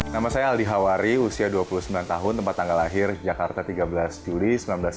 nama saya aldi hawari usia dua puluh sembilan tahun tempat tanggal lahir jakarta tiga belas juli seribu sembilan ratus sembilan puluh